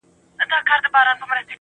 دا نن چي زه داسې درگورمه مخ نه اړوم